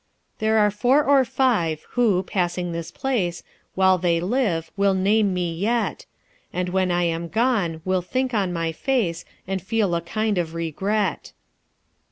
"There are four or five, who, passing this place, While they live will name me yet; And when I am gone will think on my face, And feel a kind of regret."